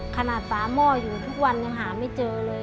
ฝาหม้ออยู่ทุกวันยังหาไม่เจอเลย